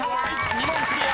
２問クリア！